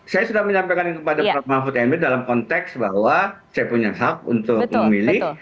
saya sudah menyampaikan kepada prof mahfud md dalam konteks bahwa saya punya hak untuk memilih